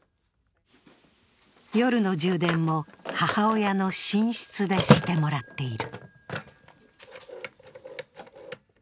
夜の充電も、母親の寝室でしてもらっている。